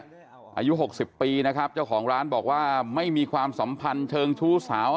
อายุ๖๐ปีนะครับเจ้าของร้านบอกว่าไม่มีความสัมพันธ์เชิงชู้สาว